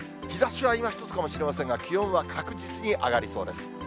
日ざしはいまひとつかもしれませんが、気温は確実に上がりそうです。